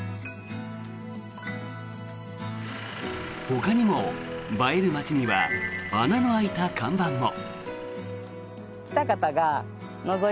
ほかにも映える町には穴の開いた看板も。